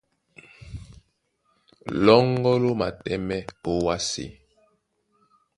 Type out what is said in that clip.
Lɔ́ŋgɔ́ ló matɛ́mɛ́ ówásē.